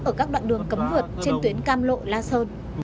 ở các đoạn đường cấm vượt trên tuyến cam lộ la sơn